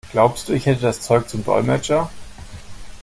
Glaubst du, ich hätte das Zeug zum Dolmetscher?